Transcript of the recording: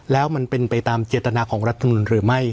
แล้วมันเป็นไปตามเจตนาของรัฐมนุนหรือไม่